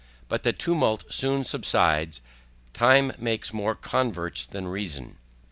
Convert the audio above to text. But the tumult soon subsides. Time makes more converts than reason.